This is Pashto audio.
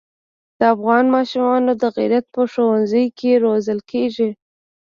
د افغان ماشومان د غیرت په ښونځي کې روزل کېږي.